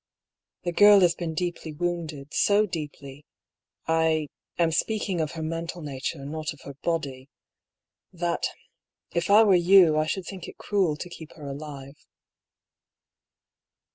The girl has been deeply wounded, so deeply — I am speaking of her mental nature, not of her body — that, if I were you, I should think it cruel to keep her alive."